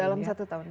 dalam satu tahun